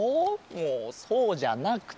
もうそうじゃなくて。